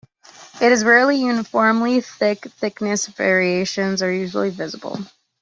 It is rarely uniformly thick; thickness variations are usually visible.